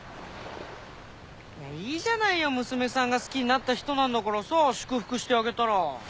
いいじゃないよ娘さんが好きになった人なんだからさ祝福してあげたら。